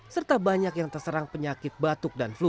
serta banyak yang terserang penyakit batuk dan flu